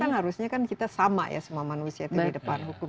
ini kan harusnya kita sama ya semua manusia di depan hukum